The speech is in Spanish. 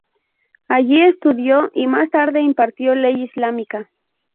Allí, estudió y más tarde impartió ley islámica.